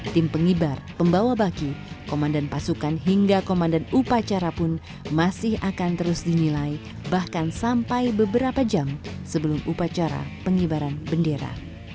tim pengibar pembawa baki komandan pasukan hingga komandan upacara pun masih akan terus dinilai bahkan sampai beberapa jam sebelum upacara pengibaran bendera